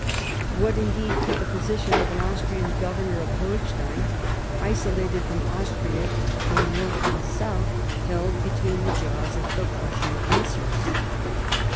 What, indeed, could be the position of an Austrian Governor of Holstein, isolated from Austria, and north and south held between the jaws of the Prussian pincers